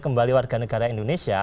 kembali warga negara indonesia